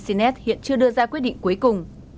tuy nhiên data tinsinet hiện chưa đưa ra quyết định cuối cùng